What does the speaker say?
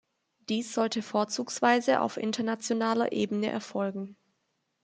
Dies sollte vorzugsweise auf internationaler Ebene erfolgen.